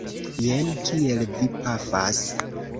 Jen kiel vi pafas!